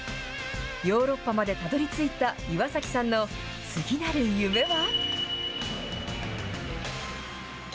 ヨーロッパまでたどりついた岩崎さんの次なる夢は？